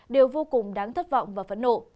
đều vô cùng đáng thất vọng và phẫn nộ